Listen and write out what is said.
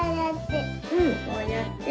こうやって。